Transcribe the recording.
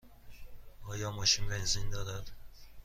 آیا ماشین بنزین دارد؟